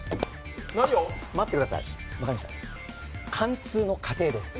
待ってください、分かりました、貫通の過程です。